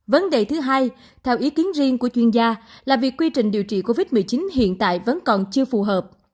vấn đề thứ hai theo ý kiến riêng của chuyên gia là việc quy trình điều trị covid một mươi chín hiện tại vẫn còn chưa phù hợp